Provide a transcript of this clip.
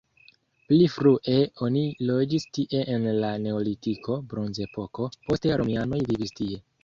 Pli frue oni loĝis tie en la neolitiko, bronzepoko, poste romianoj vivis tie.